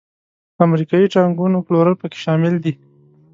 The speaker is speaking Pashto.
امریکایي ټانکونو پلورل پکې شامل دي.